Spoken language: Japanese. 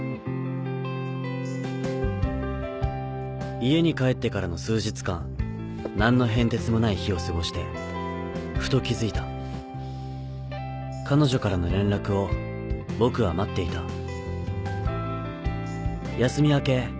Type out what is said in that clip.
家に帰ってからの数日間何の変哲もない日を過ごしてふと気付いた彼女からの連絡を僕は待っていた休み明け